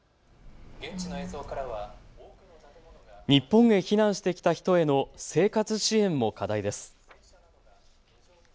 日本へ避難してきた人への生活支援も課題です。